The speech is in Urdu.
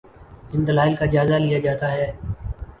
ان دلائل کا جائزہ لیا جاتا ہے۔